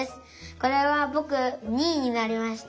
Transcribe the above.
これはぼく２いになりました。